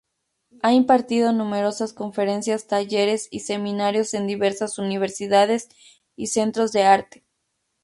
Ha impartido numerosas conferencias, talleres y seminarios en diversas universidades y centros de arte.